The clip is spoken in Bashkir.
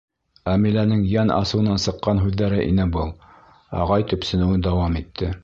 — Әмиләнең йән асыуынан сыҡҡан һүҙҙәре ине был. — ағай төпсөнөүен дауам итте.